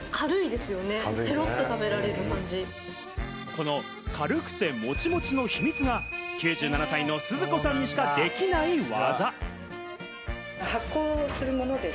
この軽くてモチモチの秘密が９７歳のスズ子さんにしかできない技。